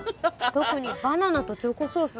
特にバナナとチョコソース。